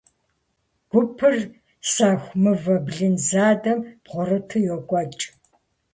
Гупыр сэху мывэ блын задэм бгъурыту йокӀуэкӀ.